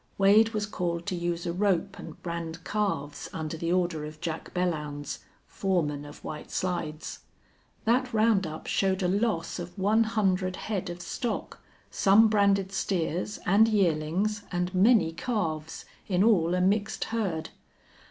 Wade was called to use a rope and brand calves under the order of Jack Belllounds, foreman of White Slides. That round up showed a loss of one hundred head of stock, some branded steers, and yearlings, and many calves, in all a mixed herd.